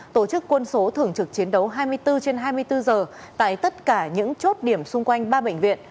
tổ chức quân số thường trực chiến đấu hai mươi bốn trên hai mươi bốn giờ tại tất cả những chốt điểm xung quanh ba bệnh viện